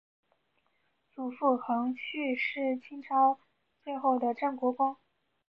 祖父恒煦是清朝最后的镇国公。